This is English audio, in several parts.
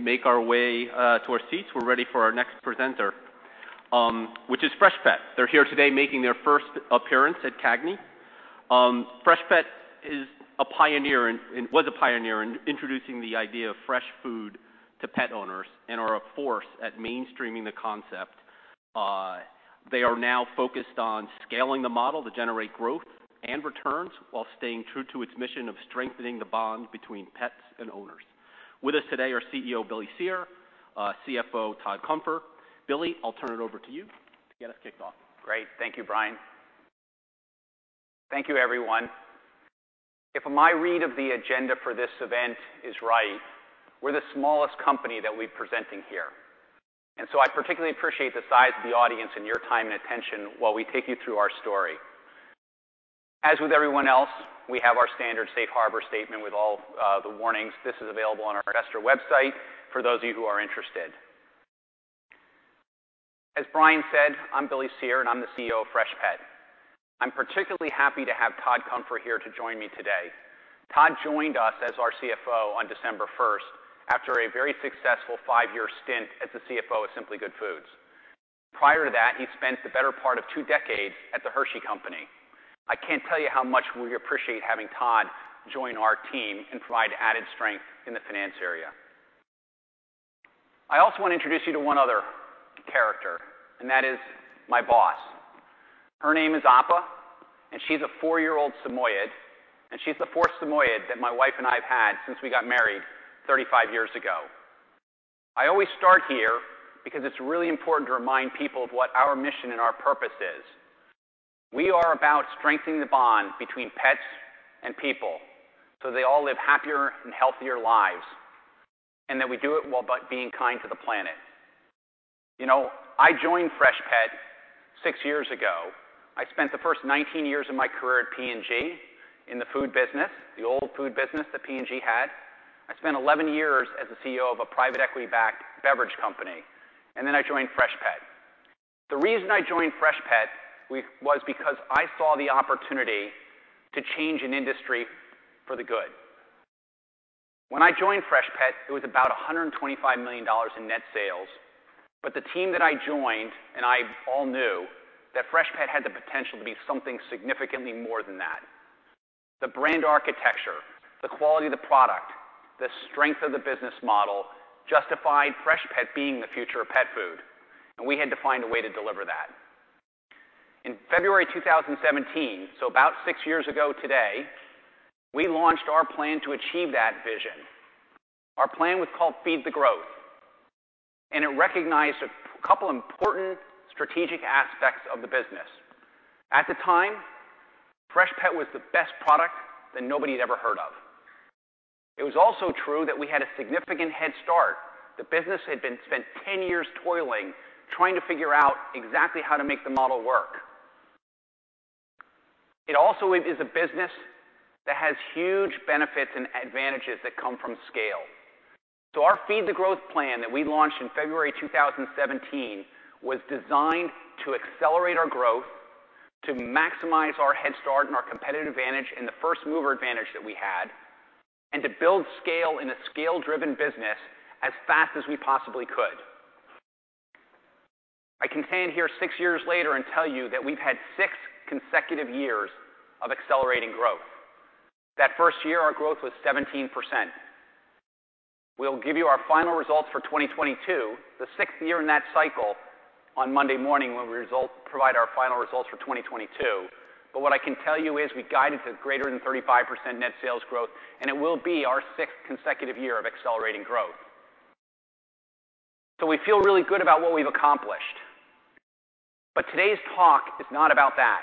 Make our way to our seats. We're ready for our next presenter, which is Freshpet. They're here today making their first appearance at CAGNY. Freshpet is a pioneer and was a pioneer in introducing the idea of fresh food to pet owners and are a force at mainstreaming the concept. They are now focused on scaling the model to generate growth and returns while staying true to its mission of strengthening the bond between pets and owners. With us today are CEO Billy Cyr, CFO Todd Cunfer. Billy, I'll turn it over to you to get us kicked off. Great. Thank you, Brian. Thank you, everyone. If my read of the agenda for this event is right, we're the smallest company that will be presenting here. I particularly appreciate the size of the audience and your time and attention while we take you through our story. As with everyone else, we have our standard safe harbor statement with all the warnings. This is available on our investor website for those of you who are interested. As Brian said, I'm Billy Cyr, and I'm the CEO of Freshpet. I'm particularly happy to have Todd Cunfer here to join me today. Todd joined us as our CFO on December first after a very successful five-year stint as the CFO at Simply Good Foods. Prior to that, he spent the better part of two decades at The Hershey Company. I can't tell you how much we appreciate having Todd join our team and provide added strength in the finance area. I also wanna introduce you to one other character, and that is my boss. Her name is Appa, and she's a four-year-old Samoyed, and she's the fourth Samoyed that my wife and I have had since we got married 35 years ago. I always start here because it's really important to remind people of what our mission and our purpose is. We are about strengthening the bond between pets and people, so they all live happier and healthier lives, and that we do it while being kind to the planet. You know, I joined Freshpet six years ago. I spent the first 19 years of my career at P&G in the food business, the old food business that P&G had. I spent 11 years as a CEO of a private equity-backed beverage company, and then I joined Freshpet. The reason I joined Freshpet was because I saw the opportunity to change an industry for the good. When I joined Freshpet, it was about $125 million in net sales. The team that I joined and I all knew that Freshpet had the potential to be something significantly more than that. The brand architecture, the quality of the product, the strength of the business model justified Freshpet being the future of pet food, and we had to find a way to deliver that. In February 2017, so about six years ago today, we launched our plan to achieve that vision. Our plan was called Feed the Growth, and it recognized a couple important strategic aspects of the business. At the time, Freshpet was the best product that nobody had ever heard of. It was also true that we had a significant head start. The business spent 10 years toiling trying to figure out exactly how to make the model work. It also is a business that has huge benefits and advantages that come from scale. Our Feed the Growth plan that we launched in February 2017 was designed to accelerate our growth, to maximize our head start and our competitive advantage and the first-mover advantage that we had, and to build scale in a scale-driven business as fast as we possibly could. I can stand here six years later and tell you that we've had six consecutive years of accelerating growth. That first year, our growth was 17%. We'll give you our final results for 2022, the sixth year in that cycle, on Monday morning when provide our final results for 2022. What I can tell you is we guided to greater than 35% net sales growth, and it will be our sixth consecutive year of accelerating growth. We feel really good about what we've accomplished. Today's talk is not about that.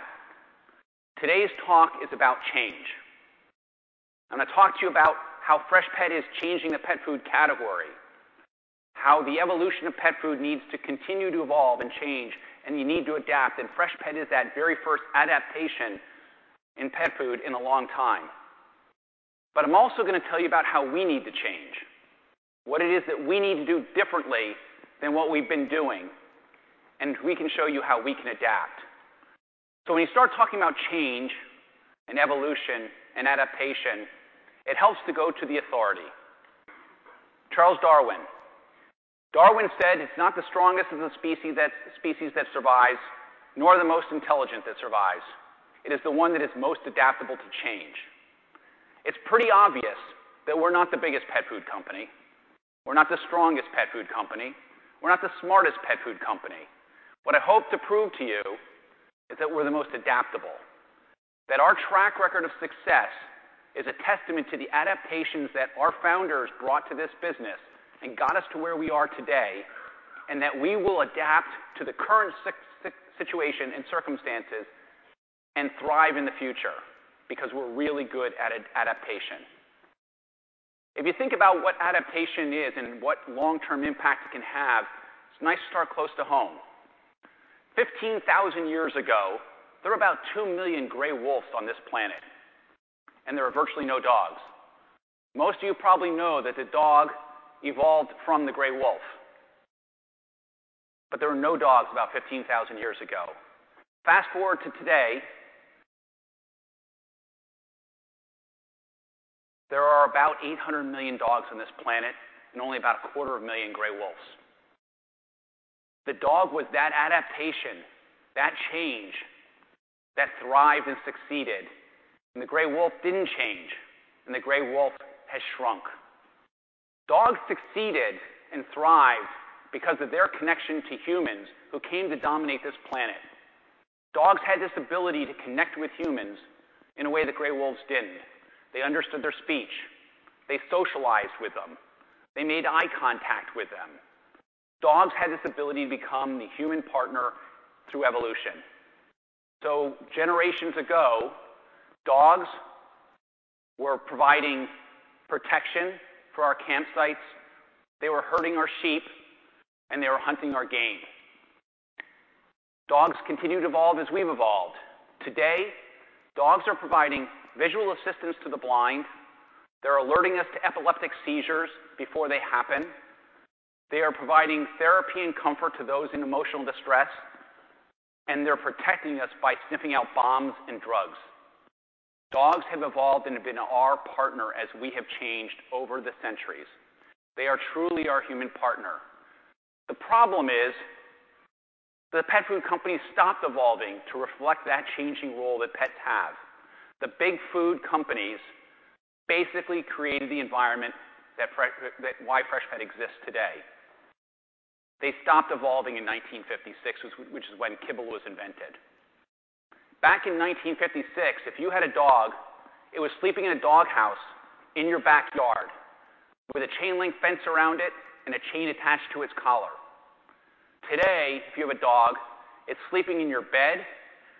Today's talk is about change. I'm gonna talk to you about how Freshpet is changing the pet food category, how the evolution of pet food needs to continue to evolve and change, and you need to adapt. Freshpet is that very first adaptation in pet food in a long time. I'm also gonna tell you about how we need to change, what it is that we need to do differently than what we've been doing, and we can show you how we can adapt. When you start talking about change and evolution and adaptation, it helps to go to the authority, Charles Darwin. Darwin said, "It's not the strongest of the species that survives, nor the most intelligent that survives. It is the one that is most adaptable to change." It's pretty obvious that we're not the biggest pet food company. We're not the strongest pet food company. We're not the smartest pet food company. What I hope to prove to you is that we're the most adaptable, that our track record of success is a testament to the adaptations that our founders brought to this business and got us to where we are today, and that we will adapt to the current situation and circumstances and thrive in the future because we're really good at adaptation. If you think about what adaptation is and what long-term impact it can have, it's nice to start close to home. 15,000 years ago, there were about two million gray wolves on this planet, and there were virtually no dogs. Most of you probably know that the dog evolved from the gray wolf. There were no dogs about 15,000 years ago. Fast forward to today, there are about 800 million dogs on this planet and only about a quarter of a million gray wolves. The dog was that adaptation, that change that thrived and succeeded, and the gray wolf didn't change, and the gray wolf has shrunk. Dogs succeeded and thrived because of their connection to humans who came to dominate this planet. Dogs had this ability to connect with humans in a way that gray wolves didn't. They understood their speech. They socialized with them. They made eye contact with them. Dogs had this ability to become the human partner through evolution. Generations ago, dogs were providing protection for our campsites. They were herding our sheep, and they were hunting our game. Dogs continued to evolve as we've evolved. Today, dogs are providing visual assistance to the blind. They're alerting us to epileptic seizures before they happen. They are providing therapy and comfort to those in emotional distress, and they're protecting us by sniffing out bombs and drugs. Dogs have evolved and have been our partner as we have changed over the centuries. They are truly our human partner. The problem is the pet food companies stopped evolving to reflect that changing role that pets have. The big food companies basically created the environment that why Freshpet exists today. They stopped evolving in 1956, which is when kibble was invented. Back in 1956, if you had a dog, it was sleeping in a dog house in your backyard with a chain link fence around it and a chain attached to its collar. Today, if you have a dog, it's sleeping in your bed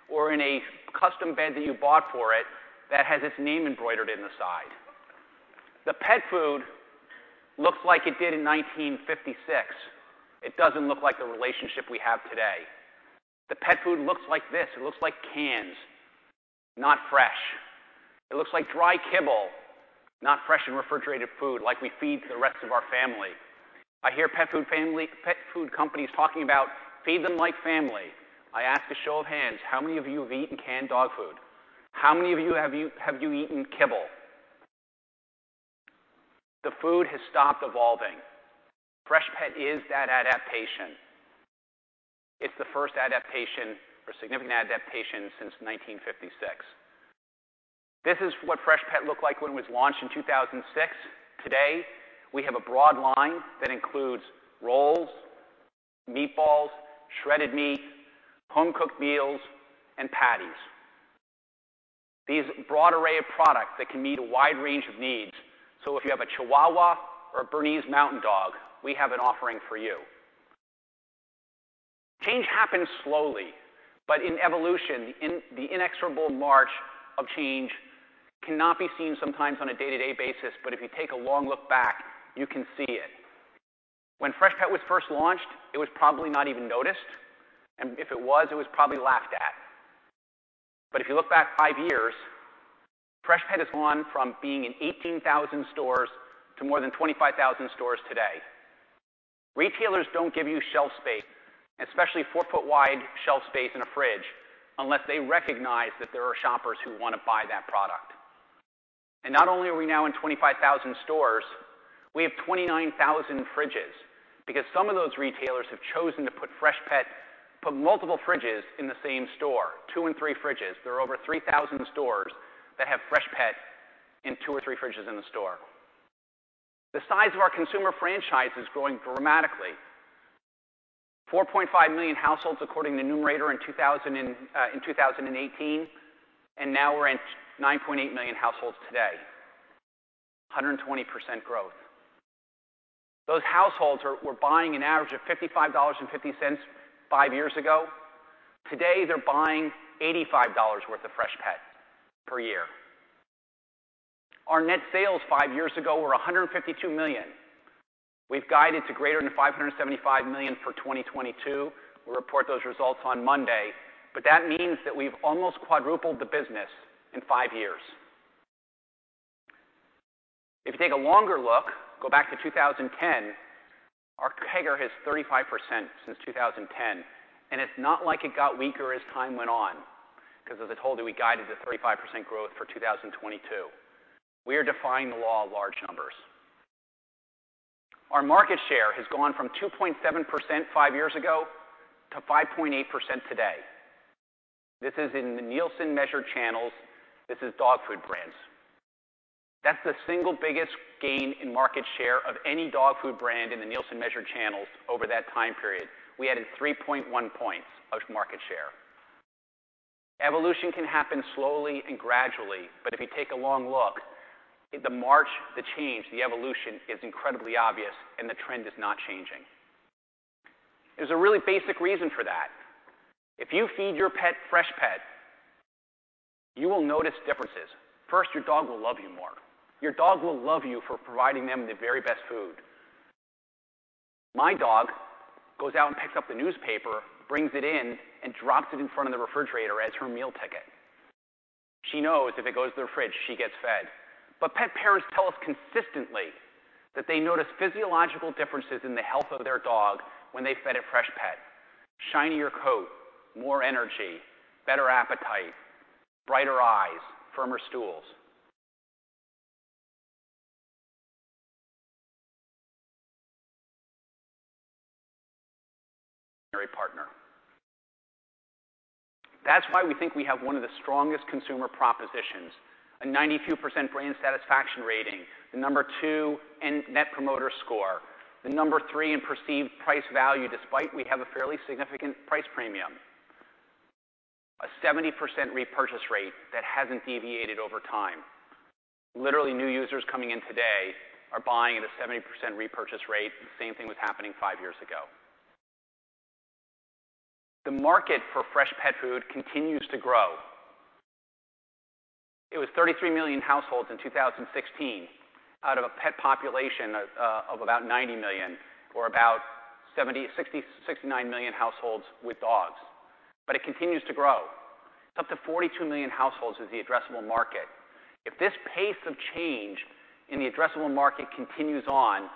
or in a custom bed that you bought for it that has its name embroidered in the side. The pet food looks like it did in 1956. It doesn't look like the relationship we have today. The pet food looks like this. It looks like cans, not fresh. It looks like dry kibble, not fresh and refrigerated food like we feed the rest of our family. I hear pet food companies talking about feed them like family. I ask a show of hands, how many of you have eaten canned dog food? How many of you have you eaten kibble? The food has stopped evolving. Freshpet is that adaptation. It's the first adaptation or significant adaptation since 1956. This is what Freshpet looked like when it was launched in 2006. Today, we have a broad line that includes rolls, meatballs, shredded meat, home-cooked meals, and patties. These broad array of products that can meet a wide range of needs. If you have a Chihuahua or a Bernese Mountain Dog, we have an offering for you. Change happens slowly, but in evolution, in the inexorable march of change cannot be seen sometimes on a day-to-day basis. If you take a long look back, you can see it. When Freshpet was first launched, it was probably not even noticed, and if it was, it was probably laughed at. If you look back five years, Freshpet has gone from being in 18,000 stores to more than 25,000 stores today. Retailers don't give you shelf space, especially four-foot wide shelf space in a fridge, unless they recognize that there are shoppers who want to buy that product. Not only are we now in 25,000 stores, we have 29,000 fridges because some of those retailers have chosen to put multiple fridges in the same store, two and three fridges. There are over 3,000 stores that have Freshpet in two or three fridges in the store. The size of our consumer franchise is growing dramatically. 4.5 million households according to Numerator in 2018, and now we're at 9.8 million households today. 120% growth. Those households were buying an average of $55.50 five years ago. Today, they're buying $85 worth of Freshpet per year. Our net sales five years ago were $152 million. We've guided to greater than $575 million for 2022. We'll report those results on Monday. That means that we've almost quadrupled the business in 5 years. If you take a longer look, go back to 2010, our CAGR is 35% since 2010. It's not like it got weaker as time went on 'cause as I told you, we guided to 35% growth for 2022. We are defying the law of large numbers. Our market share has gone from 2.7% five years ago to 5.8% today. This is in the Nielsen measured channels. This is dog food brands. That's the single biggest gain in market share of any dog food brand in the Nielsen measured channels over that time period. We added 3.1 points of market share. Evolution can happen slowly and gradually, but if you take a long look, the march, the change, the evolution is incredibly obvious, and the trend is not changing. There's a really basic reason for that. If you feed your pet Freshpet, you will notice differences. First, your dog will love you more. Your dog will love you for providing them the very best food. My dog goes out and picks up the newspaper, brings it in, and drops it in front of the refrigerator as her meal ticket. She knows if it goes to the fridge, she gets fed. Pet parents tell us consistently that they notice physiological differences in the health of their dog when they fed a Freshpet, shinier coat, more energy, better appetite, brighter eyes, firmer stools. Partner. That's why we think we have one of the strongest consumer propositions, a 92% brand satisfaction rating, the number two in net promoter score, the number three in perceived price value, despite we have a fairly significant price premium, a 70% repurchase rate that hasn't deviated over time. Literally, new users coming in today are buying at a 70% repurchase rate. The same thing was happening five years ago. The market for Freshpet food continues to grow. It was 33 million households in 2016 out of a pet population of about 90 million or about 69 million households with dogs. It continues to grow. It's up to 42 million households is the addressable market. If this pace of change in the addressable market continues on,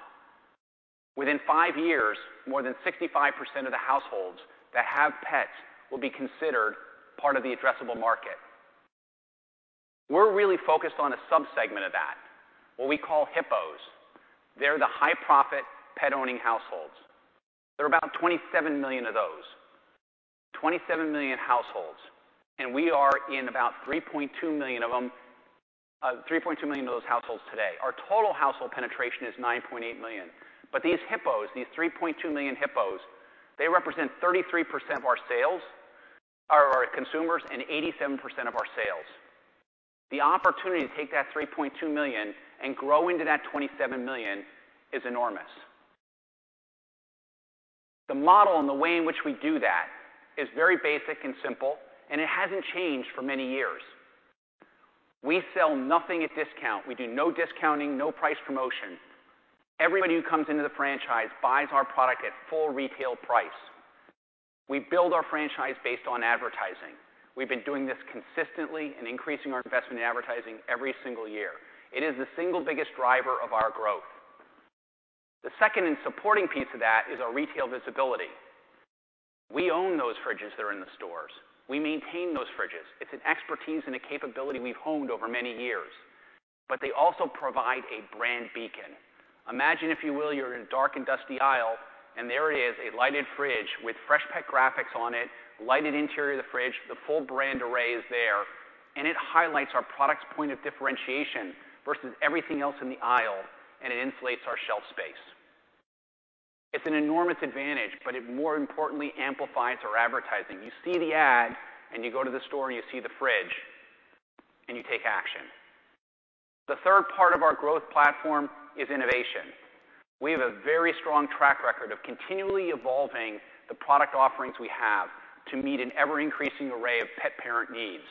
within five years, more than 65% of the households that have pets will be considered part of the addressable market. We're really focused on a subsegment of that, what we call HPHOs. They're the high-profit pet-owning households. There are about 27 million of those, 27 million households, and we are in about 3.2 million of them, 3.2 million of those households today. Our total household penetration is 9.8 million. These HPHOs, these 3.2 million HPHOs, they represent 33% of our sales or our consumers and 87% of our sales. The opportunity to take that 3.2 million and grow into that 27 million is enormous. The model and the way in which we do that is very basic and simple, and it hasn't changed for many years. We sell nothing at discount. We do no discounting, no price promotion. Everybody who comes into the franchise buys our product at full retail price. We build our franchise based on advertising. We've been doing this consistently and increasing our investment in advertising every single year. It is the single biggest driver of our growth. The second and supporting piece of that is our retail visibility. We own those fridges that are in the stores. We maintain those fridges. It's an expertise and a capability we've honed over many years. They also provide a brand beacon. Imagine, if you will, you're in a dark and dusty aisle, and there it is, a lighted fridge with Freshpet graphics on it, lighted interior of the fridge, the full brand array is there, and it highlights our product's point of differentiation versus everything else in the aisle, and it inflates our shelf space. It's an enormous advantage, but it more importantly amplifies our advertising. You see the ad, and you go to the store, and you see the fridge, and you take action. The third part of our growth platform is innovation. We have a very strong track record of continually evolving the product offerings we have to meet an ever-increasing array of pet parent needs.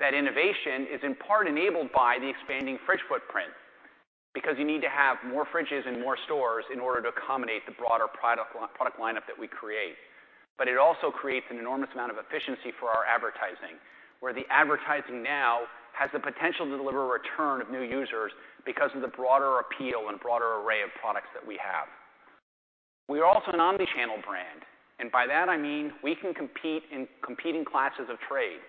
That innovation is in part enabled by the expanding fridge footprint because you need to have more fridges and more stores in order to accommodate the broader product line, product lineup that we create. It also creates an enormous amount of efficiency for our advertising, where the advertising now has the potential to deliver a return of new users because of the broader appeal and broader array of products that we have. We are also an omni-channel brand, and by that I mean we can compete in competing classes of trade.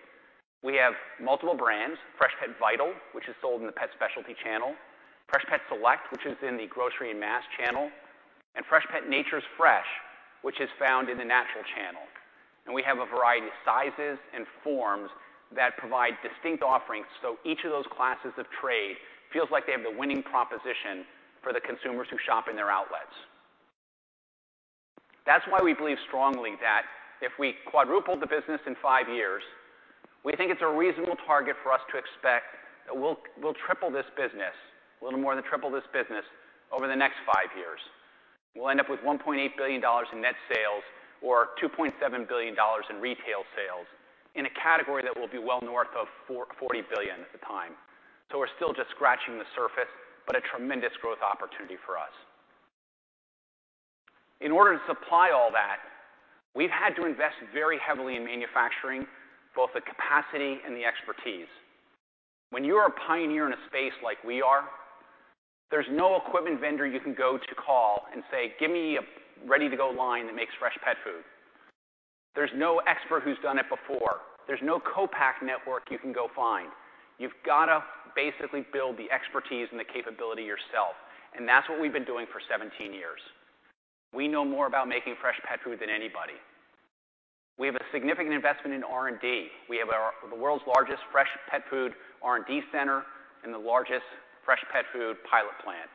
We have multiple brands, Freshpet Vital, which is sold in the pet specialty channel, Freshpet Select, which is in the grocery and mass channel, and Freshpet Nature's Fresh, which is found in the natural channel. We have a variety of sizes and forms that provide distinct offerings so each of those classes of trade feels like they have the winning proposition for the consumers who shop in their outlets. That's why we believe strongly that if we quadrupled the business in five years, we think it's a reasonable target for us to expect that we'll triple this business, a little more than triple this business over the next five years. We'll end up with $1.8 billion in net sales or $2.7 billion in retail sales in a category that will be well north of $40 billion at the time. We're still just scratching the surface, but a tremendous growth opportunity for us. In order to supply all that, we've had to invest very heavily in manufacturing, both the capacity and the expertise. When you are a pioneer in a space like we are, there's no equipment vendor you can go to call and say, "Give me a ready-to-go line that makes Freshpet food." There's no expert who's done it before. There's no co-pack network you can go find. You've got to basically build the expertise and the capability yourself, and that's what we've been doing for 17 years. We know more about making Freshpet food than anybody. We have a significant investment in R&D. We have the world's largest Freshpet food R&D center and the largest Freshpet food pilot plant.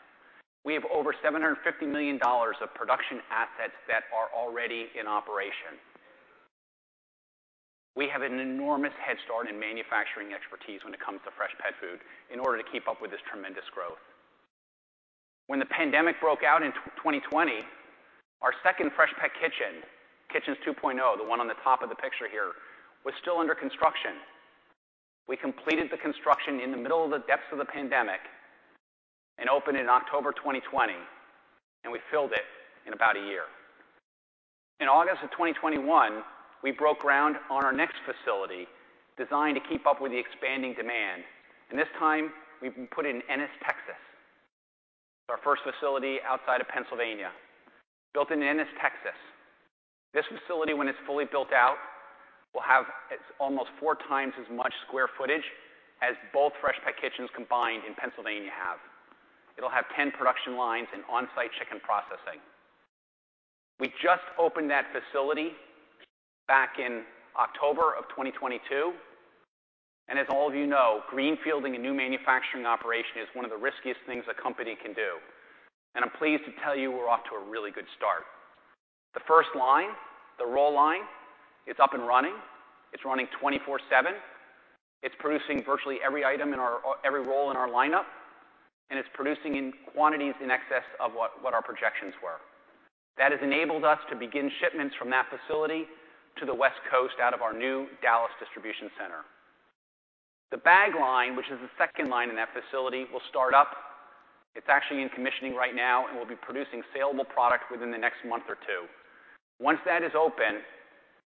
We have over $750 million of production assets that are already in operation. We have an enormous head start in manufacturing expertise when it comes to Freshpet food in order to keep up with this tremendous growth. When the pandemic broke out in 2020, our second Freshpet Kitchens 2.0, the one on the top of the picture here, was still under construction. We completed the construction in the middle of the depths of the pandemic and opened in October 2020. We filled it in about a year. In August of 2021, we broke ground on our next facility designed to keep up with the expanding demand. This time, we put it in Ennis, Texas. It's our first facility outside of Pennsylvania, built in Ennis, Texas. This facility, when it's fully built out, will have almost four times as much square footage as both Freshpet Kitchens combined in Pennsylvania have. It'll have 10 production lines and on-site chicken processing. We just opened that facility back in October of 2022. As all of you know, greenfielding a new manufacturing operation is one of the riskiest things a company can do. I'm pleased to tell you we're off to a really good start. The first line, the roll line, it's up and running. It's running 24/7. It's producing virtually every roll in our lineup, and it's producing in quantities in excess of what our projections were. That has enabled us to begin shipments from that facility to the West Coast out of our new Dallas distribution center. The bag line, which is the second line in that facility, will start up. It's actually in commissioning right now and will be producing saleable product within the next month or two. Once that is open,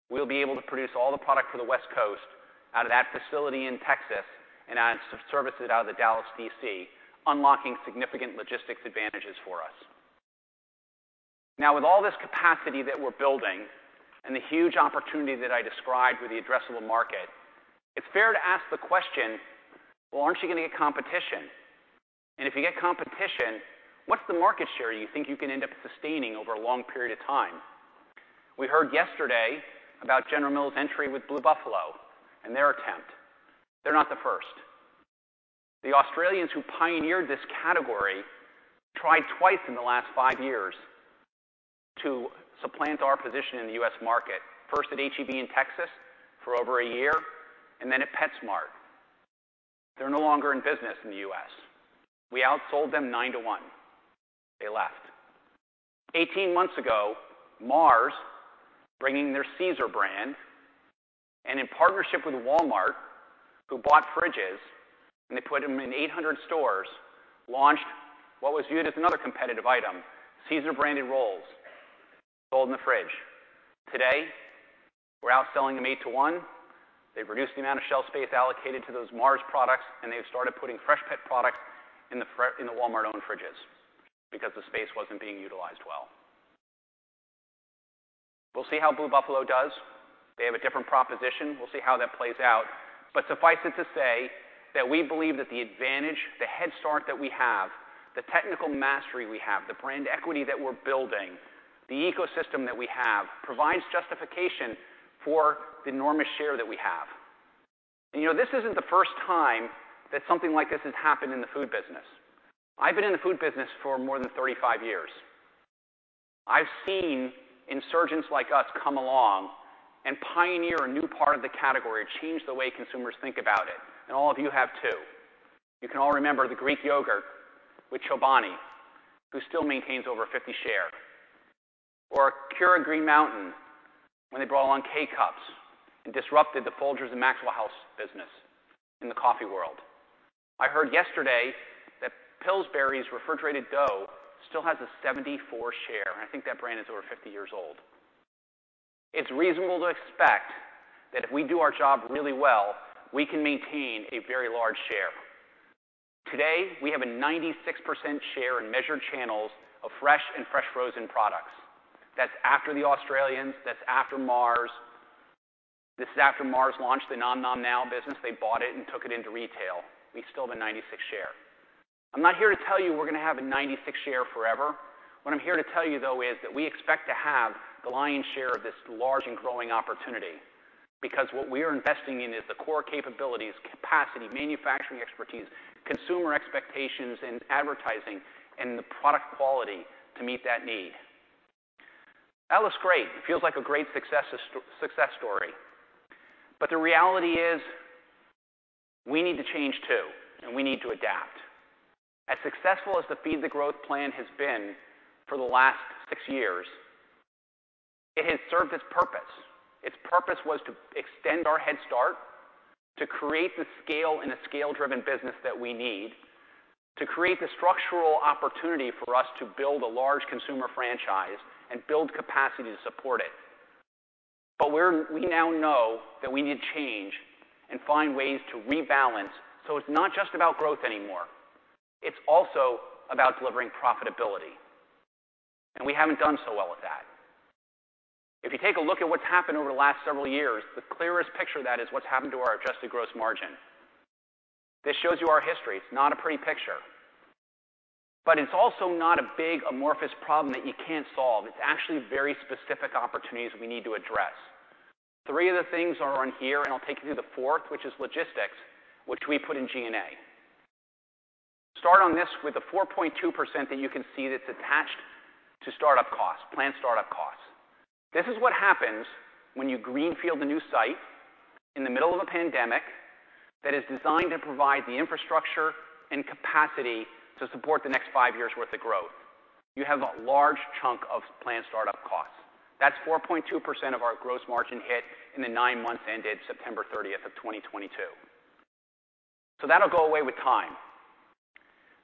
we'll be able to produce all the product for the West Coast out of that facility in Texas and service it out of the Dallas DC, unlocking significant logistics advantages for us. With all this capacity that we're building and the huge opportunity that I described with the addressable market, it's fair to ask the question, "Well, aren't you going to get competition? And if you get competition, what's the market share you think you can end up sustaining over a long period of time?" We heard yesterday about General Mills' entry with Blue Buffalo and their attempt. They're not the first. The Australians who pioneered this category tried twice in the last five years to supplant our position in the U.S. market, first at H-E-B in Texas for over a year, and then at PetSmart. They're no longer in business in the U.S. We outsold them nine to one. They left. 18 months ago, Mars, bringing their CESAR brand, and in partnership with Walmart, who bought fridges, and they put them in 800 stores, launched what was viewed as another competitive item, CESAR-branded rolls sold in the fridge. Today, we're outselling them eight to one They've reduced the amount of shelf space allocated to those Mars products, and they've started putting Freshpet products in the Walmart-owned fridges because the space wasn't being utilized well. We'll see how Blue Buffalo does. They have a different proposition. We'll see how that plays out. Suffice it to say that we believe that the advantage, the head start that we have, the technical mastery we have, the brand equity that we're building, the ecosystem that we have provides justification for the enormous share that we have. You know, this isn't the first time that something like this has happened in the food business. I've been in the food business for more than 35 years. I've seen insurgents like us come along and pioneer a new part of the category, change the way consumers think about it. All of you have, too. You can all remember the Greek yogurt with Chobani, who still maintains over 50% share, or Keurig Green Mountain when they brought along K-Cups and disrupted the Folgers and Maxwell House business in the coffee world. I heard yesterday that Pillsbury's refrigerated dough still has a 74% share, and I think that brand is over 50 years old. It's reasonable to expect that if we do our job really well, we can maintain a very large share. Today, we have a 96% share in measured channels of fresh and fresh frozen products. That's after the Australians. That's after Mars. This is after Mars launched the Nom Nom Now business. They bought it and took it into retail. We still have a 96 share. I'm not here to tell you we're gonna have a 96 share forever. What I'm here to tell you, though, is that we expect to have the lion's share of this large and growing opportunity because what we are investing in is the core capabilities, capacity, manufacturing expertise, consumer expectations in advertising, and the product quality to meet that need. That looks great. It feels like a great success story. The reality is we need to change, too, and we need to adapt. As successful as the Feed the Growth plan has been for the last six years, it has served its purpose. Its purpose was to extend our head start, to create the scale in a scale-driven business that we need, to create the structural opportunity for us to build a large consumer franchise and build capacity to support it. We now know that we need to change and find ways to rebalance so it's not just about growth anymore. It's also about delivering profitability, and we haven't done so well with that. If you take a look at what's happened over the last several years, the clearest picture of that is what's happened to our adjusted gross margin. This shows you our history. It's not a pretty picture, but it's also not a big amorphous problem that you can't solve. It's actually very specific opportunities we need to address. Three of the things are on here. I'll take you to the fourth, which is logistics, which we put in G&A. Start on this with the 4.2% that you can see that's attached to startup costs, plant startup costs. This is what happens when you greenfield a new site in the middle of a pandemic that is designed to provide the infrastructure and capacity to support the next five years' worth of growth. You have a large chunk of plant startup costs. That's 4.2% of our gross margin hit in the nine months ended September 30th of 2022. That'll go away with time.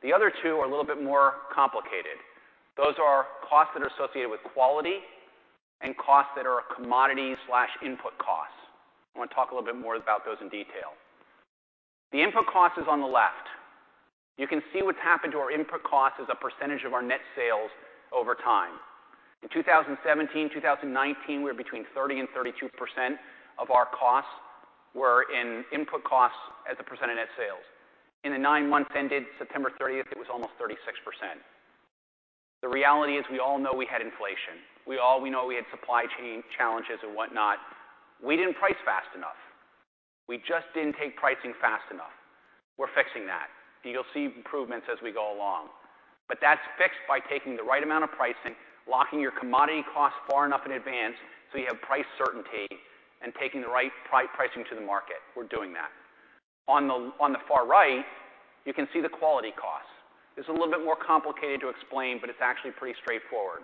The other two are a little bit more complicated. Those are costs that are associated with quality and costs that are commodity/input costs. I wanna talk a little bit more about those in detail. The input cost is on the left. You can see what's happened to our input cost as a % of our net sales over time. In 2017, 2019, we're between 30% and 32% of our costs were in input costs as a % of net sales. In the nine months ended September 30th, it was almost 36%. The reality is we all know we had inflation. We know we had supply chain challenges and whatnot. We didn't price fast enough. We just didn't take pricing fast enough. We're fixing that. You'll see improvements as we go along. That's fixed by taking the right amount of pricing, locking your commodity costs far enough in advance so you have price certainty, and taking the right pricing to the market. We're doing that. On the, on the far right, you can see the quality costs. It's a little bit more complicated to explain, but it's actually pretty straightforward.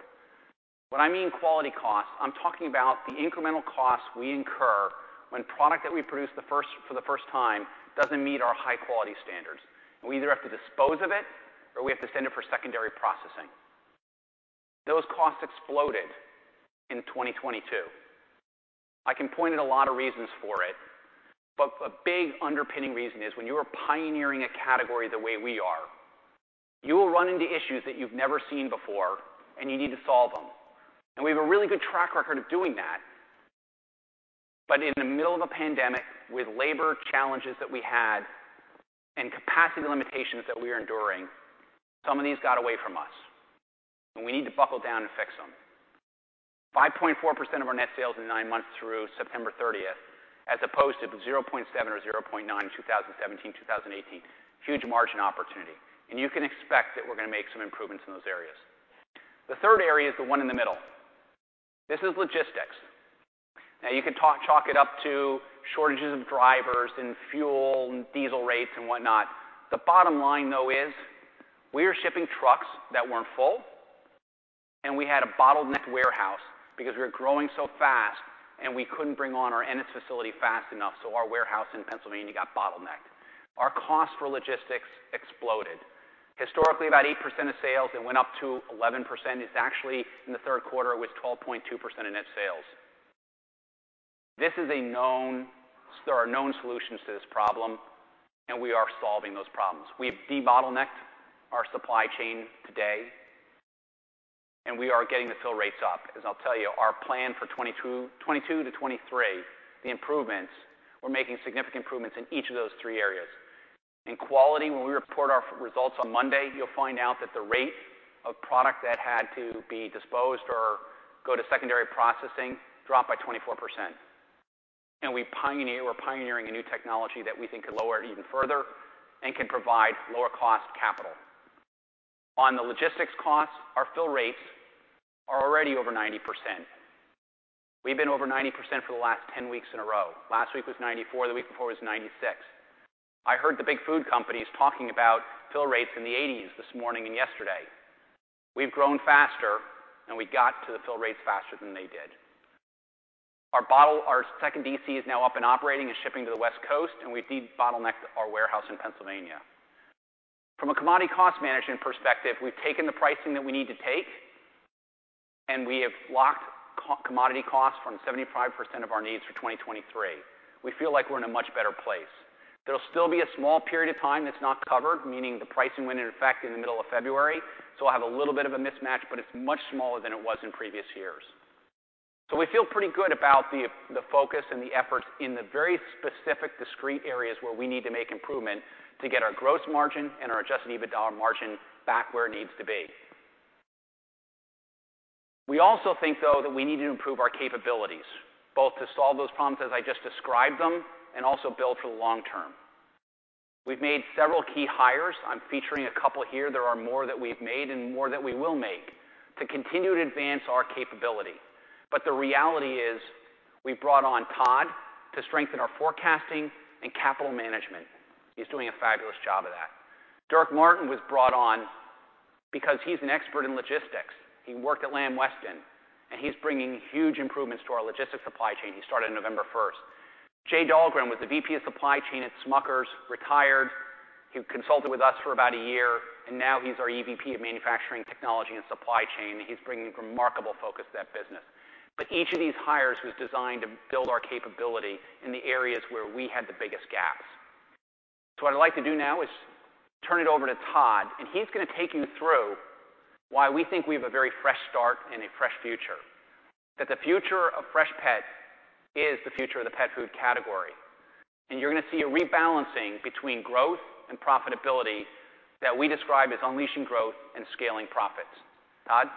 When I mean quality costs, I'm talking about the incremental costs we incur when product that we produce for the first time doesn't meet our high-quality standards. We either have to dispose of it or we have to send it for secondary processing. Those costs exploded in 2022. I can point at a lot of reasons for it, but a big underpinning reason is when you are pioneering a category the way we are, you will run into issues that you've never seen before, and you need to solve them. We have a really good track record of doing that. In the middle of a pandemic with labor challenges that we had and capacity limitations that we are enduring, some of these got away from us, and we need to buckle down and fix them. 5.4% of our net sales in nine months through September 30th, as opposed to 0.7% or 0.9% in 2017, 2018. Huge margin opportunity. You can expect that we're gonna make some improvements in those areas. The third area is the one in the middle. This is logistics. You can chalk it up to shortages of drivers and fuel and diesel rates and whatnot. The bottom line, though, is we are shipping trucks that weren't full. We had a bottlenecked warehouse because we were growing so fast. We couldn't bring on our Ennis facility fast enough. Our warehouse in Pennsylvania got bottlenecked. Our cost for logistics exploded. Historically, about 8% of sales, it went up to 11%. It's actually in the third quarter, it was 12.2% of net sales. There are known solutions to this problem. We are solving those problems. We've debottlenecked our supply chain today. We are getting the fill rates up. As I'll tell you, our plan for 2022-2023, the improvements, we're making significant improvements in each of those three areas. In quality, when we report our results on Monday, you'll find out that the rate of product that had to be disposed or go to secondary processing dropped by 24%. We're pioneering a new technology that we think could lower it even further and can provide lower cost capital. On the logistics costs, our fill rates are already over 90%. We've been over 90% for the last 10 weeks in a row. Last week was 94, the week before was 96. I heard the big food companies talking about fill rates in the 80s this morning and yesterday. We've grown faster, and we got to the fill rates faster than they did. Our second DC is now up and operating and shipping to the West Coast, and we've debottlenecked our warehouse in Pennsylvania. From a commodity cost management perspective, we've taken the pricing that we need to take, and we have locked co-commodity costs from 75% of our needs for 2023. We feel like we're in a much better place. There'll still be a small period of time that's not covered, meaning the pricing went in effect in the middle of February, so I have a little bit of a mismatch, but it's much smaller than it was in previous years. We feel pretty good about the focus and the efforts in the very specific discrete areas where we need to make improvement to get our gross margin and our adjusted EBITDA margin back where it needs to be. We also think, though, that we need to improve our capabilities, both to solve those problems as I just described them and also build for the long term. We've made several key hires. I'm featuring a couple here. There are more that we've made and more that we will make to continue to advance our capability. The reality is we brought on Todd to strengthen our forecasting and capital management. He's doing a fabulous job of that. Dirk Martin was brought on because he's an expert in logistics. He worked at Lamb Weston, and he's bringing huge improvements to our logistics supply chain. He started November first. Jay Dahlgren was the VP of supply chain at Smucker's, retired. He consulted with us for about a year, and now he's our EVP of Manufacturing, Technology, and Supply Chain. He's bringing remarkable focus to that business. Each of these hires was designed to build our capability in the areas where we had the biggest gaps. What I'd like to do now is turn it over to Todd, and he's gonna take you through why we think we have a very fresh start and a fresh future, that the future of Freshpet is the future of the pet food category. You're gonna see a rebalancing between growth and profitability that we describe as unleashing growth and scaling profits. Todd?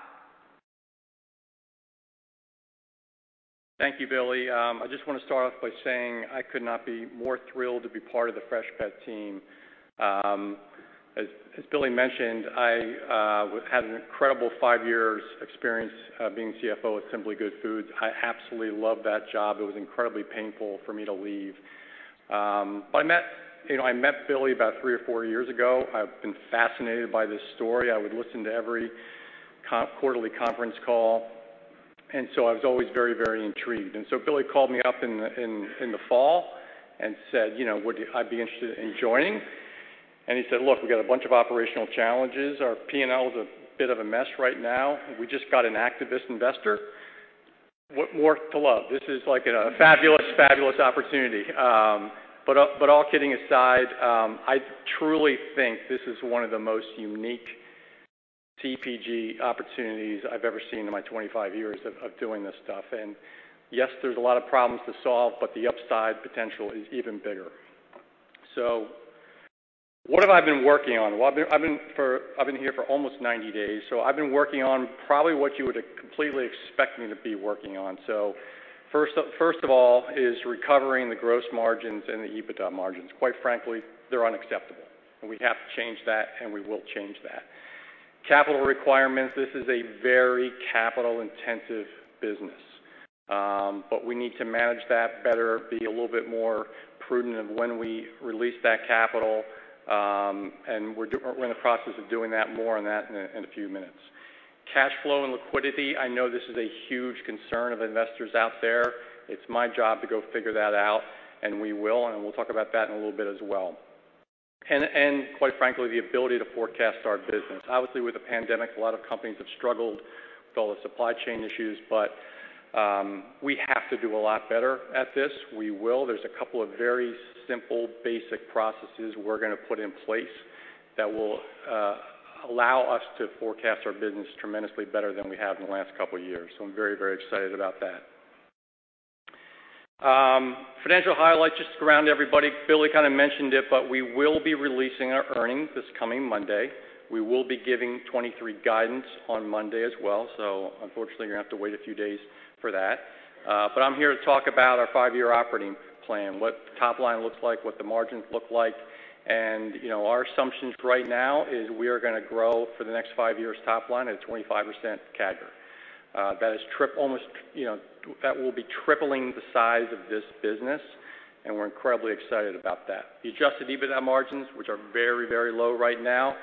Thank you, Billy. I just wanna start off by saying I could not be more thrilled to be part of the Freshpet team. As, as Billy mentioned, I had an incredible five years experience, being CFO at Simply Good Foods. I absolutely loved that job. It was incredibly painful for me to leave. But I met, you know, I met Billy about three or four years ago. I've been fascinated by this story. I would listen to every quarterly conference call. I was always very, very intrigued. Billy called me up in the fall and said, you know, would I be interested in joining? And he said, "Look, we got a bunch of operational challenges. Our P&L is a bit of a mess right now. We just got an activist investor." What more to love? This is like a fabulous opportunity. All kidding aside, I truly think this is one of the most unique CPG opportunities I've ever seen in my 25 years of doing this stuff. Yes, there's a lot of problems to solve, but the upside potential is even bigger. What have I been working on? I've been here for almost 90 days, I've been working on probably what you would completely expect me to be working on. First of all is recovering the gross margins and the EBITDA margins. Quite frankly, they're unacceptable, and we have to change that, and we will change that. Capital requirements, this is a very capital-intensive business, but we need to manage that better, be a little bit more prudent of when we release that capital, and we're in the process of doing that. More on that in a few minutes. Cash flow and liquidity, I know this is a huge concern of investors out there. It's my job to go figure that out, and we will, and we'll talk about that in a little bit as well. Quite frankly, the ability to forecast our business. Obviously, with the pandemic, a lot of companies have struggled with all the supply chain issues, but, we have to do a lot better at this. We will. There's a couple of very simple, basic processes we're gonna put in place that will allow us to forecast our business tremendously better than we have in the last couple years. I'm very, very excited about that. Financial highlights just to ground everybody. Billy kind of mentioned it, but we will be releasing our earnings this coming Monday. We will be giving 2023 guidance on Monday as well. Unfortunately, you're gonna have to wait a few days for that. But I'm here to talk about our five-year operating plan, what the top line looks like, what the margins look like. You know, our assumptions right now is we are gonna grow for the next five years top line at a 25% CAGR. That is almost, you know, that will be tripling the size of this business, and we're incredibly excited about that. The adjusted EBITDA margins, which are very, very low right now,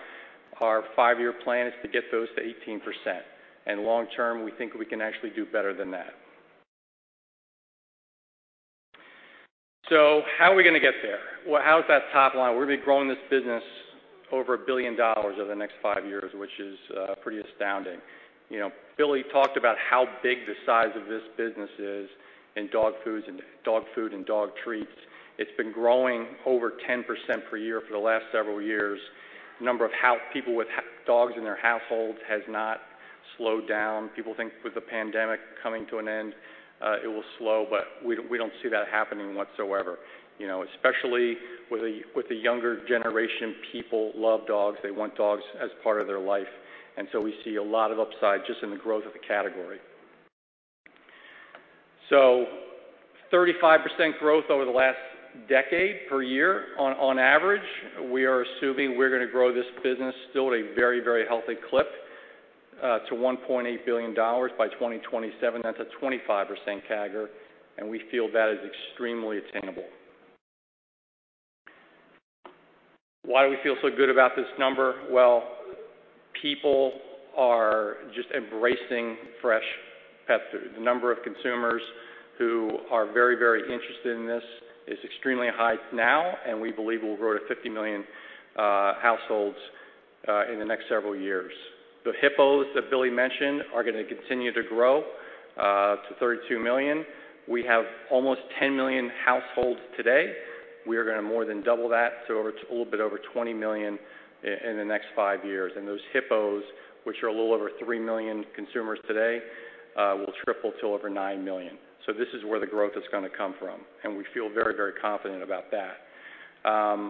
our five-year plan is to get those to 18%. Long term, we think we can actually do better than that. How are we gonna get there? Well, how is that top line? We're gonna be growing this business over $1 billion over the next five years, which is pretty astounding. You know, Billy talked about how big the size of this business is in dog food and dog treats. It's been growing over 10% per year for the last several years. The number of people with dogs in their households has not slowed down. People think with the pandemic coming to an end, it will slow, we don't see that happening whatsoever. You know, especially with the younger generation, people love dogs. They want dogs as part of their life. We see a lot of upside just in the growth of the category. 35% growth over the last decade per year on average. We are assuming we're gonna grow this business still at a very healthy clip to $1.8 billion by 2027. That's a 25% CAGR, we feel that is extremely attainable. Why do we feel so good about this number? Well, people are just embracing fresh pet food. The number of consumers who are very, very interested in this is extremely high now, and we believe we'll grow to 50 million households in the next several years. The HPHOS that Billy mentioned are gonna continue to grow to 32 million. We have almost 10 million households today. We are gonna more than double that to a little bit over 20 million in the next five years. Those HPHOS, which are a little over 3 million consumers today, will triple to over nine million. This is where the growth is gonna come from, and we feel very, very confident about that.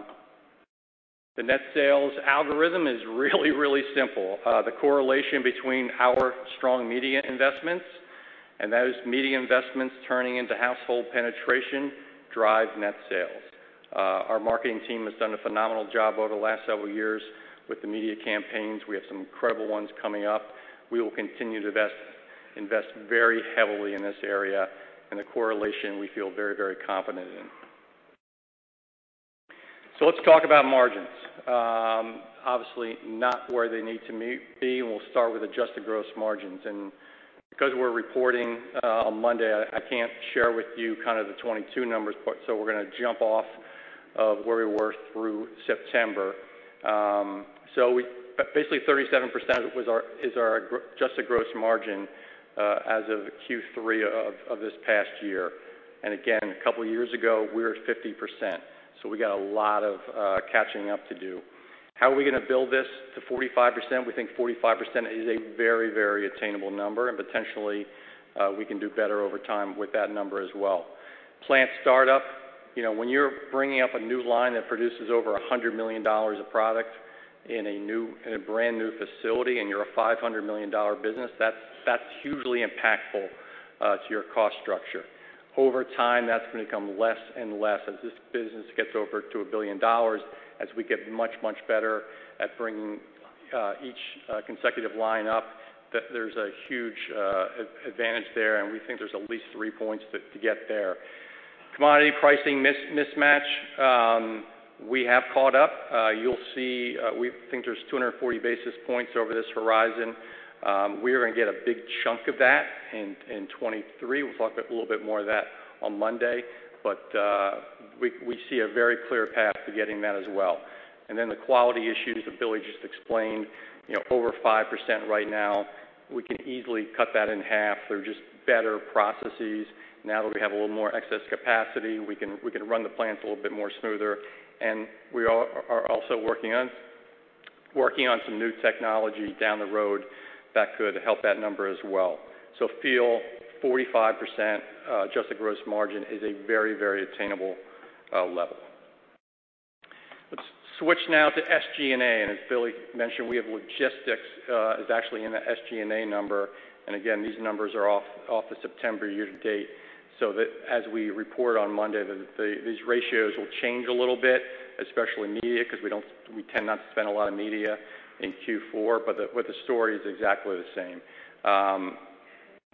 The net sales algorithm is really, really simple. The correlation between our strong media investments and those media investments turning into household penetration drive net sales. Our marketing team has done a phenomenal job over the last several years with the media campaigns. We have some incredible ones coming up. We will continue to invest very heavily in this area, and the correlation we feel very, very confident in. Let's talk about margins. Obviously not where they need to be, and we'll start with adjusted gross margins. Because we're reporting on Monday, I can't share with you kind of the 2022 numbers, so we're gonna jump off of where we were through September. Basically 37% was our adjusted gross margin as of Q3 of this past year. Again, a couple years ago, we were at 50%, so we got a lot of catching up to do. How are we gonna build this to 45%? We think 45% is a very, very attainable number, potentially, we can do better over time with that number as well. Plant startup, you know, when you're bringing up a new line that produces over $100 million of product in a brand-new facility, you're a $500 million business, that's hugely impactful to your cost structure. Over time, that's gonna become less and less as this business gets over to $1 billion, as we get much, much better at bringing each consecutive line up. There's a huge advantage there, we think there's at least three points to get there. Commodity pricing mismatch, we have caught up. You'll see, we think there's 240 basis points over this horizon. We're gonna get a big chunk of that in 2023. We'll talk a little bit more of that on Monday. We see a very clear path to getting that as well. The quality issues that Billy just explained, you know, over 5% right now, we can easily cut that in half. They're just better processes. Now that we have a little more excess capacity, we can run the plants a little bit more smoother. We are also working on some new technology down the road that could help that number as well. Feel 45% adjusted gross margin is a very, very attainable level. Let's switch now to SG&A. As Billy mentioned, we have logistics is actually in the SG&A number. Again, these numbers are off the September year to date, so that as we report on Monday, these ratios will change a little bit, especially media, because we tend not to spend a lot of media in Q4, but the story is exactly the same.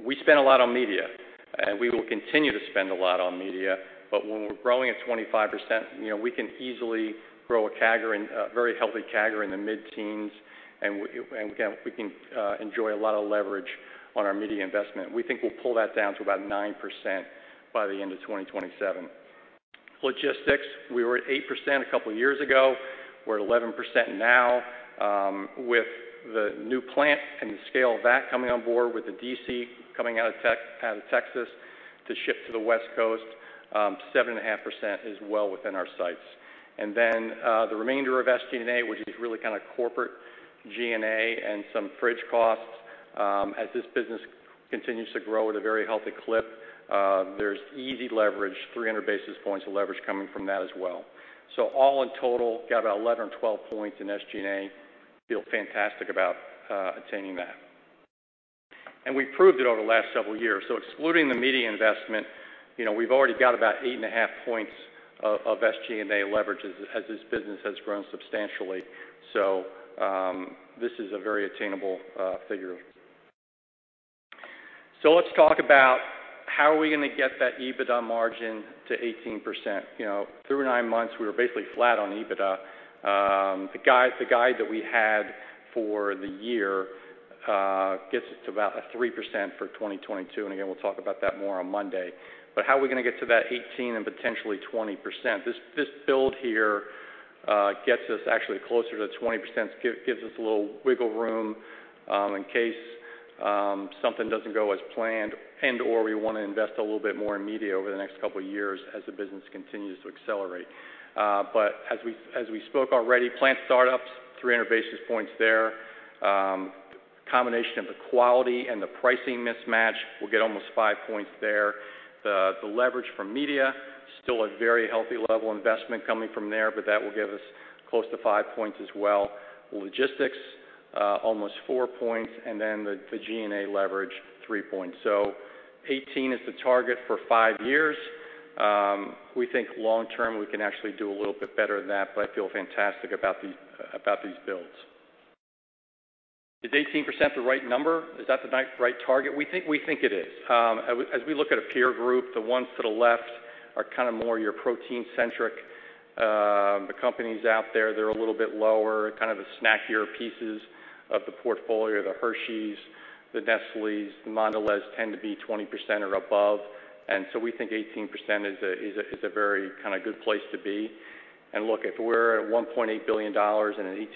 We spend a lot on media, we will continue to spend a lot on media. When we're growing at 25%, you know, we can easily grow a very healthy CAGR in the mid-teens, we can, we can enjoy a lot of leverage on our media investment. We think we'll pull that down to about 9% by the end of 2027. Logistics, we were at 8% a couple of years ago. We're at 11% now. With the new plant and the scale of that coming on board, with the DC coming out of Texas to ship to the West Coast, 7.5% is well within our sights. The remainder of SG&A, which is really kind of corporate G&A and some fridge costs, as this business continues to grow at a very healthy clip, there's easy leverage, 300 basis points of leverage coming from that as well. All in total, got about 11 or 12 points in SG&A. Feel fantastic about attaining that. We proved it over the last several years. Excluding the media investment, you know, we've already got about 8.5 points of SG&A leverage as this business has grown substantially. This is a very attainable figure. Let's talk about how are we gonna get that EBITDA margin to 18%. You know, through nine months, we were basically flat on EBITDA. The guide that we had for the year, gets it to about a 3% for 2022. Again, we'll talk about that more on Monday. How are we gonna get to that 18% and potentially 20%? This build here, gets us actually closer to the 20%. gives us a little wiggle room, in case something doesn't go as planned and/or we wanna invest a little bit more in media over the next couple of years as the business continues to accelerate. As we spoke already, plant startups, 300 basis points there. Combination of the quality and the pricing mismatch, we'll get almost five points there. The leverage from media, still a very healthy level investment coming from there, that will give us close to five points as well. Logistics, almost four points, the G&A leverage, three points. 18 is the target for five years. We think long term, we can actually do a little bit better than that, but I feel fantastic about these builds. Is 18% the right number? Is that the right target? We think it is. As we look at a peer group, the ones to the left are kind of more your protein-centric, the companies out there, they're a little bit lower, kind of the snackier pieces of the portfolio, the Hershey's, the Nestlé's, the Mondelez tend to be 20% or above. We think 18% is a very kind of good place to be. Look, if we're at $1.8 billion and an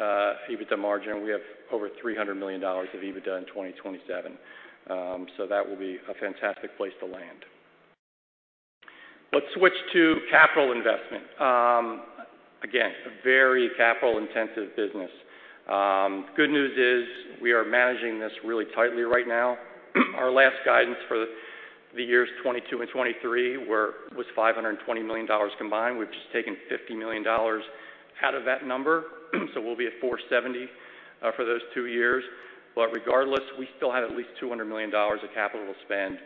18% EBITDA margin, we have over $300 million of EBITDA in 2027. That will be a fantastic place to land. Let's switch to capital investment. Again, a very capital-intensive business. Good news is we are managing this really tightly right now. Our last guidance for the years 2022 and 2023 was $520 million combined. We've just taken $50 million out of that number, so we'll be at $470 million for those two years. Regardless, we still have at least $200 million of capital to spend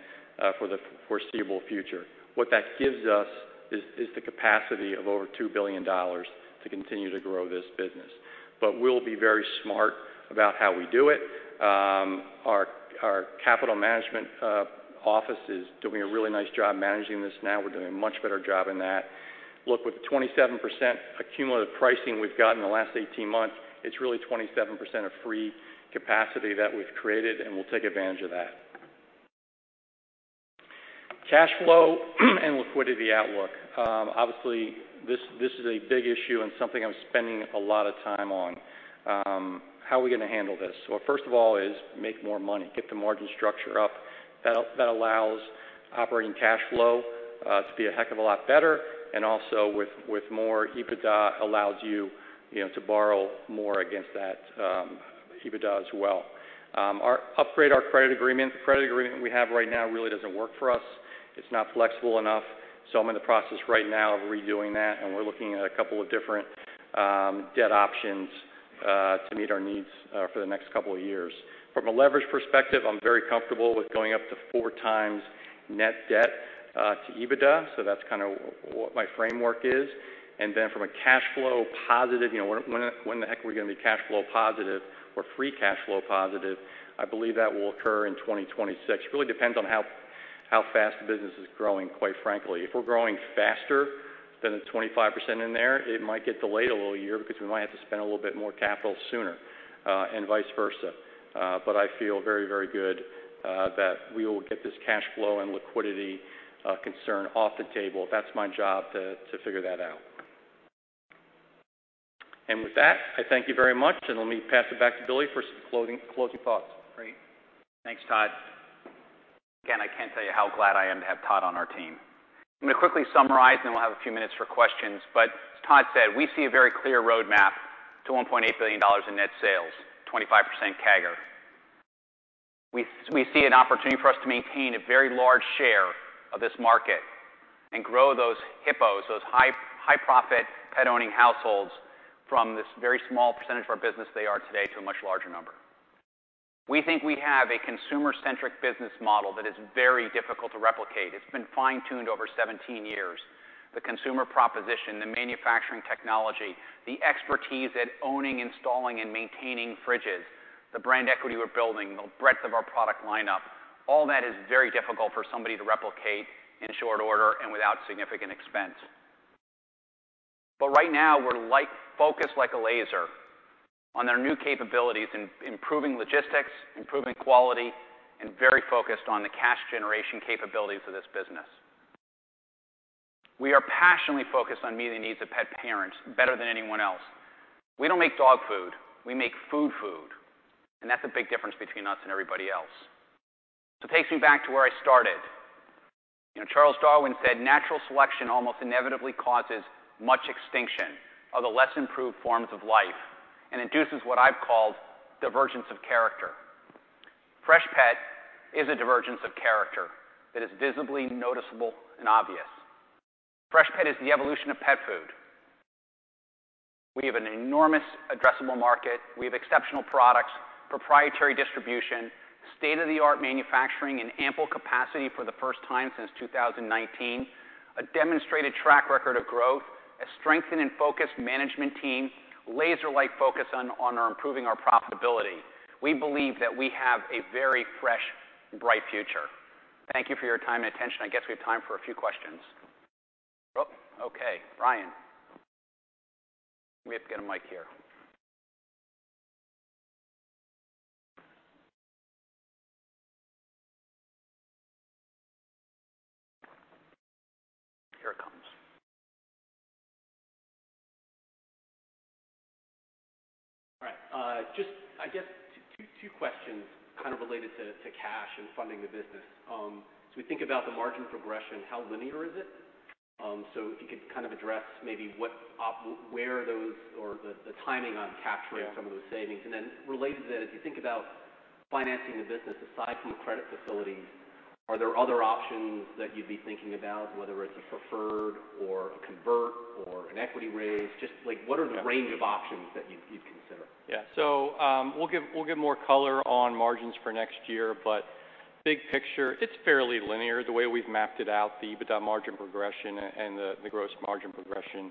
for the foreseeable future. What that gives us is the capacity of over $2 billion to continue to grow this business. We'll be very smart about how we do it. Our capital management office is doing a really nice job managing this now. We're doing a much better job in that. Look, with the 27% accumulative pricing we've got in the last 18 months, it's really 27% of free capacity that we've created, and we'll take advantage of that. Cash flow and liquidity outlook. Obviously, this is a big issue and something I'm spending a lot of time on. How are we gonna handle this? Well, first of all is make more money, get the margin structure up. That allows operating cash flow to be a heck of a lot better, also with more EBITDA allows you know, to borrow more against that EBITDA as well. Upgrade our credit agreement. The credit agreement we have right now really doesn't work for us. It's not flexible enough. I'm in the process right now of redoing that. We're looking at a couple of different debt options to meet our needs for the next couple of years. From a leverage perspective, I'm very comfortable with going up to 4x net debt to EBITDA. That's kinda what my framework is. Then from a cash flow positive, you know, when the heck are we gonna be cash flow positive or free cash flow positive? I believe that will occur in 2026. Really depends on How fast the business is growing, quite frankly. If we're growing faster than the 25% in there, it might get delayed a little year because we might have to spend a little bit more capital sooner, and vice versa. I feel very, very good that we will get this cash flow and liquidity concern off the table. That's my job to figure that out. With that, I thank you very much, and let me pass it back to Billy for some closing thoughts. Great. Thanks, Todd. Again, I can't tell you how glad I am to have Todd on our team. I'm gonna quickly summarize, and then we'll have a few minutes for questions. As Todd said, we see a very clear roadmap to $1.8 billion in net sales, 25% CAGR. We see an opportunity for us to maintain a very large share of this market and grow those HPOHs, those high-profit pet-owning households, from this very small percentage of our business they are today to a much larger number. We think we have a consumer-centric business model that is very difficult to replicate. It's been fine-tuned over 17 years. The consumer proposition, the manufacturing technology, the expertise at owning, installing, and maintaining fridges, the brand equity we're building, the breadth of our product lineup, all that is very difficult for somebody to replicate in short order and without significant expense. Right now, we're focused like a laser on our new capabilities, improving logistics, improving quality, and very focused on the cash generation capabilities of this business. We are passionately focused on meeting the needs of pet parents better than anyone else. We don't make dog food, we make food food, and that's a big difference between us and everybody else. It takes me back to where I started. You know, Charles Darwin said, "Natural selection almost inevitably causes much extinction of the less improved forms of life and induces what I've called divergence of character." Freshpet is a divergence of character that is visibly noticeable and obvious. Freshpet is the evolution of pet food. We have an enormous addressable market. We have exceptional products, proprietary distribution, state-of-the-art manufacturing and ample capacity for the first time since 2019, a demonstrated track record of growth, a strengthened and focused management team, laser-like focus on improving our profitability. We believe that we have a very fresh and bright future. Thank you for your time and attention. I guess we have time for a few questions. Oh, okay. Ryan. We have to get a mic here. Here it comes. All right, just I guess two questions kind of related to cash and funding the business. As we think about the margin progression, how linear is it? If you could kind of address maybe what where those or the timing on capturing. Yeah. -some of those savings. Related to that, as you think about financing the business, aside from credit facilities, are there other options that you'd be thinking about, whether it's a preferred or a convert or an equity raise? Just, like, what are the range of options that you'd consider? We'll give more color on margins for next year, but big picture, it's fairly linear. The way we've mapped it out, the EBITDA margin progression and the gross margin progression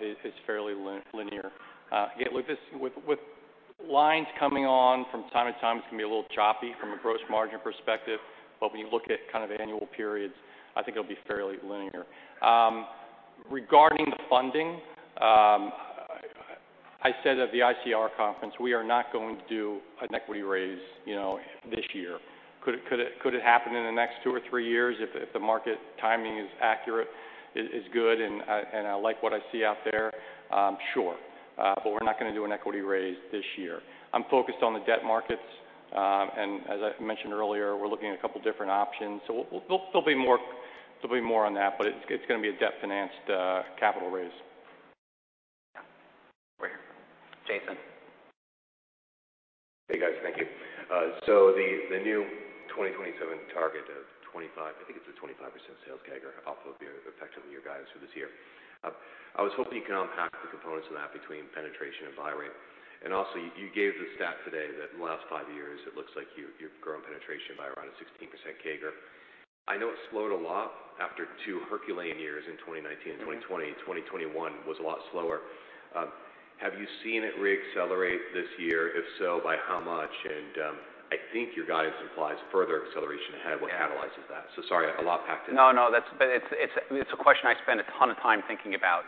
is fairly linear. With this lines coming on from time to time, it's gonna be a little choppy from a gross margin perspective, but when you look at kind of annual periods, I think it'll be fairly linear. Regarding the funding, I said at the ICR Conference, we are not going to do an equity raise, you know, this year. Could it happen in the next two or three years if the market timing is accurate, is good, and I like what I see out there? Sure. We're not gonna do an equity raise this year. I'm focused on the debt markets. As I mentioned earlier, we're looking at a couple different options. There'll be more on that, but it's gonna be a debt-financed capital raise. Yeah. Over here. Jason. Hey, guys. Thank you. The new 2027 target of 25... I think it's a 25% sales CAGR off of your effective year guidance for this year. I was hoping you could unpack the components of that between penetration and buy rate. Also, you gave the stat today that in the last five years it looks like you've grown penetration by around a 16% CAGR. I know it slowed a lot after two Herculean years in 2019 and 2020. Mm-hmm. 2021 was a lot slower. Have you seen it re-accelerate this year? If so, by how much? I think your guidance implies further acceleration ahead. Yeah. What catalyzes that? Sorry, a lot packed in there. No, no. It's a question I spend a ton of time thinking about.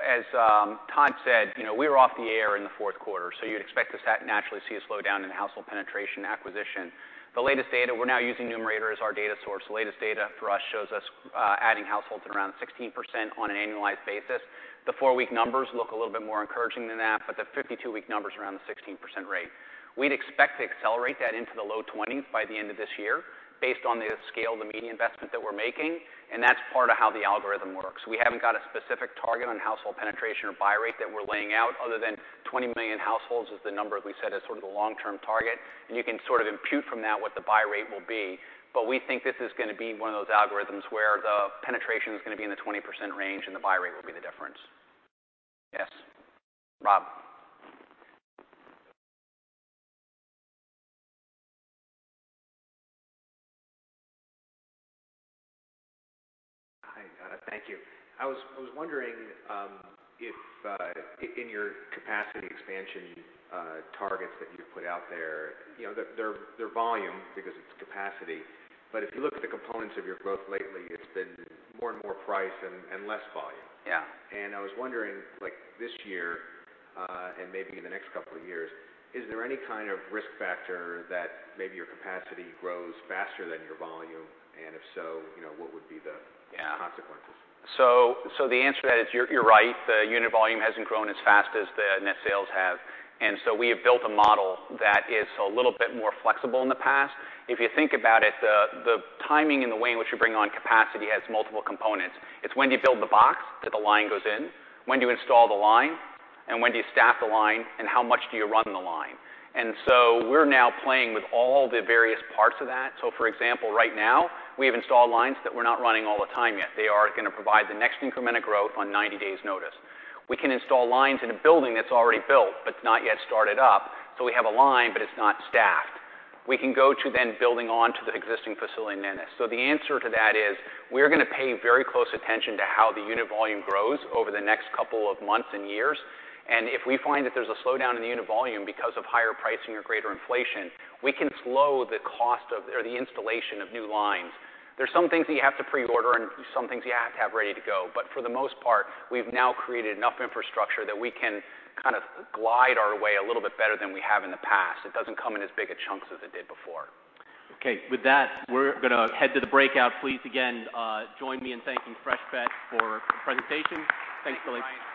As Todd said, you know, we were off the air in the fourth quarter, so you'd expect to naturally see a slowdown in the household penetration acquisition. The latest data, we're now using Numerator as our data source. The latest data for us shows us adding households at around 16% on an annualized basis. The four-week numbers look a little bit more encouraging than that, but the 52-week number's around the 16% rate. We'd expect to accelerate that into the low twenties by the end of this year based on the scale of the media investment that we're making, and that's part of how the algorithm works. We haven't got a specific target on household penetration or buy rate that we're laying out, other than 20 million households is the number we said as sort of the long-term target. You can sort of impute from that what the buy rate will be. We think this is gonna be one of those algorithms where the penetration is gonna be in the 20% range, and the buy rate will be the difference. Yes. Rob. Hi. Thank you. I was wondering, if, in your capacity expansion, targets that you put out there, you know, they're volume because it's capacity, but if you look at the components of your growth lately, it's been more and more price and less volume. Yeah. I was wondering, like, this year, and maybe in the next couple of years, is there any kind of risk factor that maybe your capacity grows faster than your volume? If so, you know, what would be. Yeah. -consequences? The answer to that is you're right. The unit volume hasn't grown as fast as the net sales have. We have built a model that is a little bit more flexible in the past. If you think about it, the timing and the way in which we bring on capacity has multiple components. It's when do you build the box that the line goes in, when do you install the line, and when do you staff the line, and how much do you run the line? We're now playing with all the various parts of that. For example, right now, we have installed lines that we're not running all the time yet. They are gonna provide the next increment of growth on 90 days' notice. We can install lines in a building that's already built but not yet started up, so we have a line, but it's not staffed. We can go to then building onto the existing facility in Ennis. The answer to that is, we're gonna pay very close attention to how the unit volume grows over the next couple of months and years, and if we find that there's a slowdown in the unit volume because of higher pricing or greater inflation, we can slow the cost of or the installation of new lines. There's some things that you have to pre-order and some things you have to have ready to go, but for the most part, we've now created enough infrastructure that we can kind of glide our way a little bit better than we have in the past. It doesn't come in as big a chunks as it did before. Okay. With that, we're gonna head to the breakout. Please, again, join me in thanking Freshpet for the presentation. Thanks, Billy. Thanks, Brian.